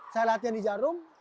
saya latihan di jarum